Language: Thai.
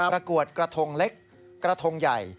ประกวดกระทงเล็กกระทงใหญ่